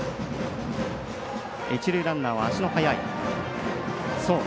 一塁ランナーは足の速い僧野。